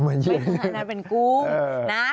เหมือนเหยียดนั่นเป็นกุ้งนะ